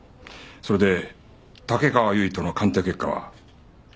それで竹川由衣との鑑定結果は？